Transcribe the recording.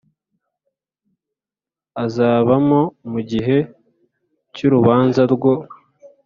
azabamo mu gihe cy urubanza rwo